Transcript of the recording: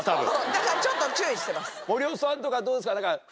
だからちょっと注意してます。